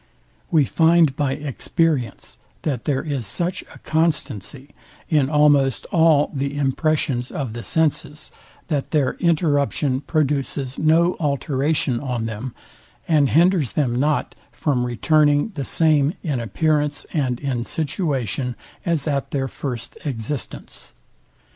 We find by experience, that there is such a constancy in almost all the impressions of the senses, that their interruption produces no alteration on them, and hinders them not from returning the same in appearance and in situation as at their first existence.